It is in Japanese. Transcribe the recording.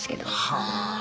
はあ！